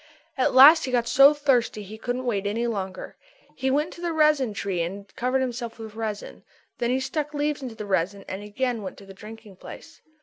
At last he got so thirsty that he couldn't wait any longer. He went to the resin tree and covered himself with resin. Then he stuck leaves into the resin and again went to the drinking place.